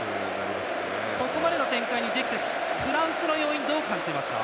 ここまでの展開にできたフランスの要因はどう感じていますか？